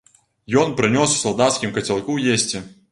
Ён прынёс у салдацкім кацялку есці.